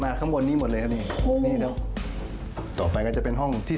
มาข้างบนนี้หมดเลยครับนี่